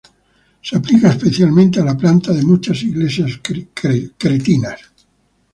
Se aplica especialmente a la planta de muchas iglesias cristianas.